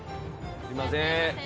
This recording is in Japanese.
すいません